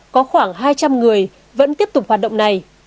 có khoảng hai trăm linh người vẫn tiếp tục hoạt động này